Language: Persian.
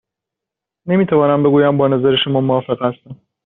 نمی توانم بگویم با نظر شما موافق هستم.